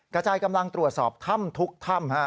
กระจายกำลังตรวจสอบถ้ำทุกถ้ำ